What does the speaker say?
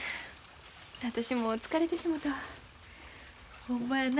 私もう疲れてしもたわ。